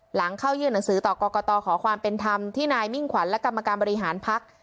หลังเข้ายื่นหนังสือต่อกรกตขอความเป็นธรรมที่นายมิ่งขวัญและกรรมการบริหารพัก